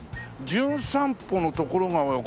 『じゅん散歩』のところが。